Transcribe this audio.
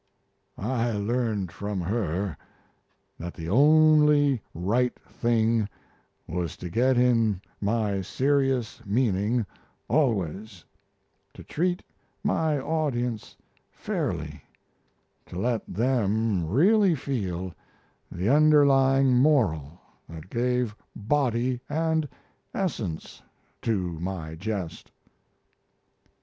I learned from her that the only right thing was to get in my serious meaning always, to treat my audience fairly, to let them really feel the underlying moral that gave body and essence to my jest."